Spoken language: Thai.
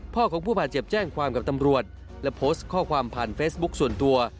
พ่อของผู้บาดเจ็บแจ้งความกับตำรวจและโพสต์ข้อความผ่านเฟซบุ๊คส่วนตัว